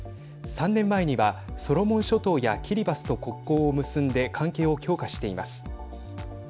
３年前にはソロモン諸島やキリバスと国交を結んで関係を強化しています。